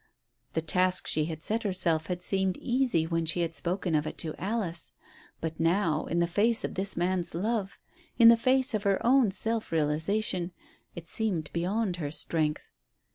The task she had set herself had seemed easy when she had spoken of it to Alice, but now in the face of this man's love, in the face of her own self realization, it seemed beyond her strength.